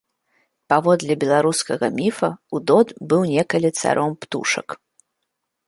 Паводле беларускага міфа, удод быў некалі царом птушак.